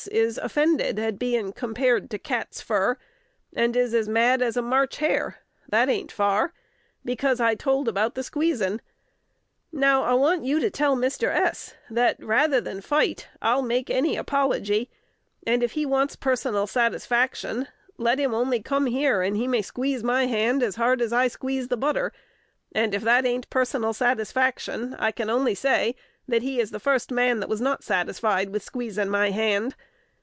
is offended at being compared to cat's fur, and is as mad as a March hare (that ain't far), because I told about the squeezin'. Now, I want you to tell Mr. S, that, rather than fight, I'll make any apology; and, if he wants personal satisfaction, let him only come here, and he may squeeze my hand as hard as I squeeze the butter, and, if that ain't personal satisfaction, I can only say that he is the fust man that was not satisfied with squeezin' my hand.